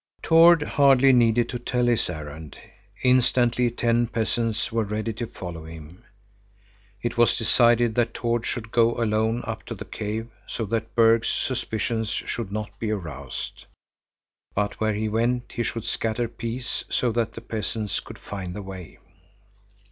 Tord hardly needed to tell his errand; instantly ten peasants were ready to follow him. It was decided that Tord should go alone up to the cave, so that Berg's suspicions should not be aroused. But where he went he should scatter peas, so that the peasants could find the way.